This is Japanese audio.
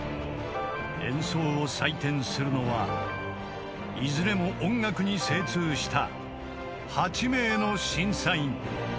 ［演奏を採点するのはいずれも音楽に精通した８名の審査員］